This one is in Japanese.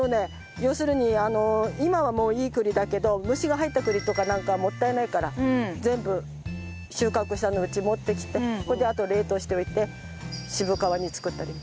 要するに今はもういい栗だけど虫が入った栗とかなんかはもったいないから全部収穫したのうち持ってきてほいであと冷凍しておいて渋皮煮作ったり。